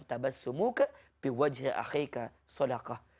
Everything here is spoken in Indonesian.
tabas sumuka piwajhah akhika sodakoh